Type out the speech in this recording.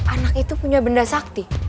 anak itu punya benda sakti